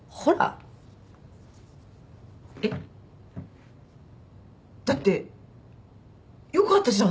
えっ？だってよかったじゃない？